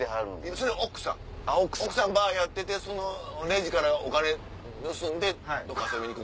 それ奥さん奥さんがバーやっててそのレジからお金盗んでどっか遊びに行く。